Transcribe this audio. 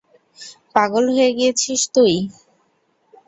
পাগল হয়ে গিয়েছিস তুই?